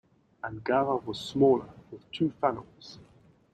"Angara" was smaller, with two funnels.